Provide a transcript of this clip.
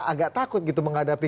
agar ini terlihat sebagai